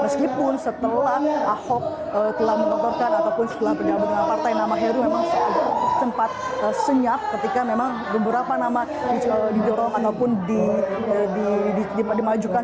setelah ahok telah mengotorkan ataupun setelah bergabung dengan partai nama heru memang sempat senyap ketika memang beberapa nama dijorong ataupun dimajukan